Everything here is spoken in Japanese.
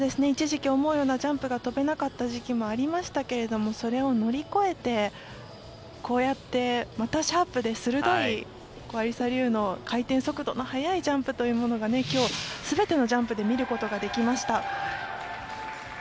一時期思うようなジャンプが跳べなかった時期もありますがそれを乗り越えてこうやってまた、シャープでアリサ・リウの回転速度の速いジャンプというものが今日、全てのジャンプで見ることができました。